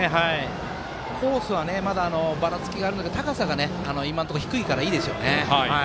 コースはまだばらつきがありますが高さが今のところ低いからいいですよね。